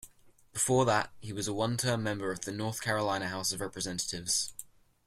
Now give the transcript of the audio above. Before that, he was a one-term member of the North Carolina House of Representatives.